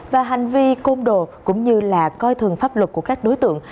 và hành vi côn đồ cũng như là coi thường pháp luật của các đối tượng